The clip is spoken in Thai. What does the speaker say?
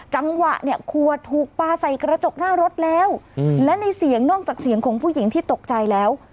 จังหวะเนี่ยขวดถูกปลาใส่กระจกหน้ารถแล้วและในเสียงนอกจากเสียงของผู้หญิงที่ตกใจแล้ว